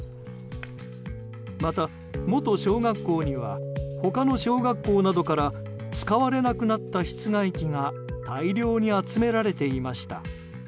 また、元小学校には他の小学校などから使われなくなった室外機が大量に集められていました。